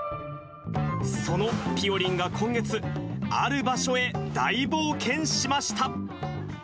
そのぴよりんが今月、ある場所へ大冒険しました。